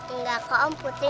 enggak kok om putri gak lari